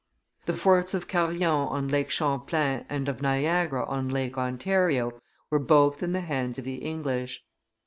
The forts of Carillon on Lake Champlain and of Niagara on Lake Ontario were both in the hands of the English.